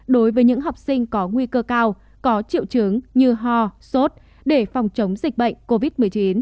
đối với những học sinh có nguy cơ cao có triệu chứng như ho sốt để phòng chống dịch bệnh covid một mươi chín